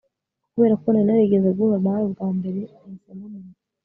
kubera ko nari narigeze guhura nawe mbere, nahise mumumenya